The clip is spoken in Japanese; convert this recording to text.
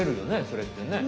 それってね。